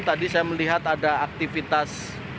tadi saya melihat ada aktivitas